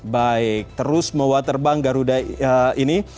baik terus membawa terbang garuda ini